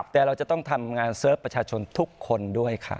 แต่เราจะต้องทำงานเสิร์ฟประชาชนทุกคนด้วยค่ะ